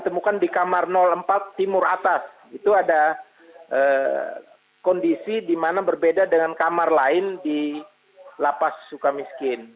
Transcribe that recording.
temukan di kamar empat timur atas itu ada kondisi di mana berbeda dengan kamar lain di lapas suka miskin